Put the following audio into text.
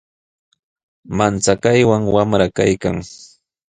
Manchakaywan wamra kaykan.